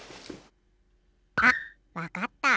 あっわかった。